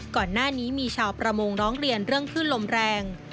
ก่อนหน้านี้มีชาวประมงร้องเรียนเรื่องขึ้นลมแรง